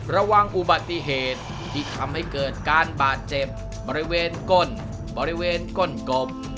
ระวังอุบัติเหตุที่ทำให้เกิดการบาดเจ็บบริเวณก้นบริเวณก้นกบ